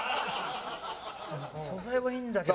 素材はいいんだけど。